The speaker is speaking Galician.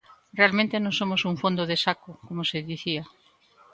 Realmente non somos un fondo de saco, como se dicía.